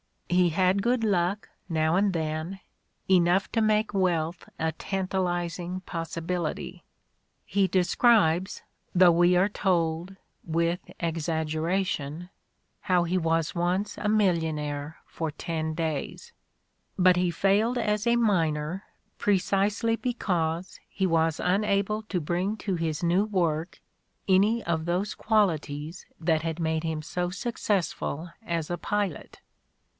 He had good luck, now and then, enough to make wealth a tantalizing possi bility. He describes, though we are told with exaggera tion, how he was once '' a millionaire for ten days. '' But he failed as a miner precisely because he was unable to bring to his new work any of those qualities that had made him so successful as a pilot.